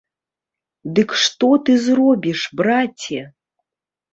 Дык што ты зробіш, браце!